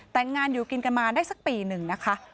แต่งงานอยู่กินกันมาได้สักปีหนึ่งนะคะ